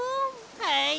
はい。